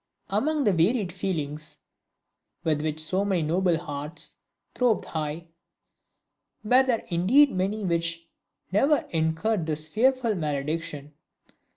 Among the varied feelings with which so many noble hearts throbbed high, were there indeed many which never incurred this fearful malediction?